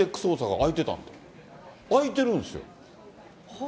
空いてるんですよ。